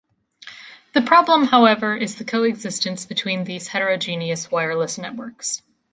The problem, however, is the coexistence between these heterogeneous wireless networks.